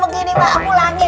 pulangin pulangin gak jadi